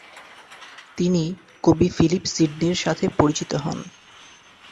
তিনি কবি ফিলিপ সিডনির সাথে পরিচিত হন।